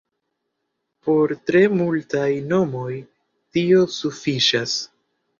Por tre multaj nomoj tio sufiĉas.